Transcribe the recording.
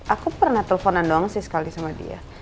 aku pernah teleponan doang sih sekali sama dia